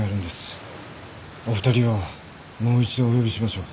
お二人をもう一度お呼びしましょう。